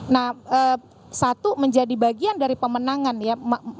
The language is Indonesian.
nah satu menjadi bagian dari pemenangan ya